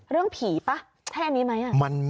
เรื่องผีป่ะแค่นี้ไหม